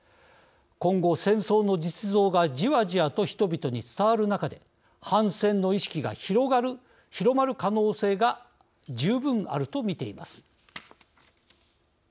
今後、戦争の実像がじわじわと人々に伝わる中で反戦の意識が広まる可能性が十分あるとみています。